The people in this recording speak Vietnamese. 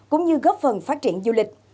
cũng như góp phần phát triển du lịch